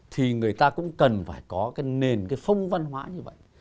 thì người ta cũng cần phải có cái nền cái phong văn hóa như vậy